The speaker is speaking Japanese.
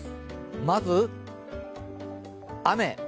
まず、雨。